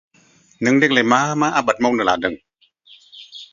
नों देग्लाय मा मा आबाद मावनो लादों?